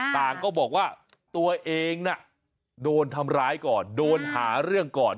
ต่างก็บอกว่าตัวเองน่ะโดนทำร้ายก่อนโดนหาเรื่องก่อน